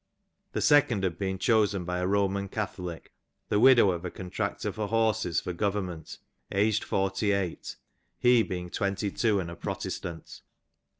The second had been chosen by a Roman Catholic, the widow of a contractor for horses for government, aged forty eight, he being twenty two and a Protestant.